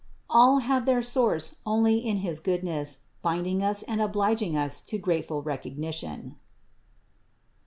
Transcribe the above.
All have their source only in his good ness, binding us and obliging us to grateful recognition.